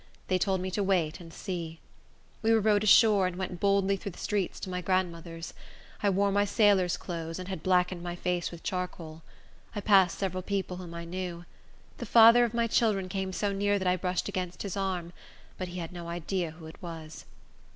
They told me to wait and see. We were rowed ashore, and went boldly through the streets, to my grandmother's. I wore my sailor's clothes, and had blackened my face with charcoal. I passed several people whom I knew. The father of my children came so near that I brushed against his arm; but he had no idea who it was.